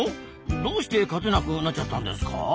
どうして勝てなくなっちゃったんですか？